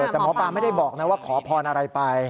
แต่หมอปลาไม่ได้บอกนะว่าขอพรอะไรไป